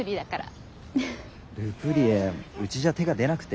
ル・プリエうちじゃ手が出なくて。